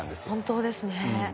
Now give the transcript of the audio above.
本当ですね。